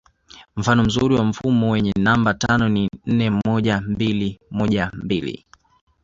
Mfano mzuri wa mfumo wenye namba tano ni nne moja mbili moja mbili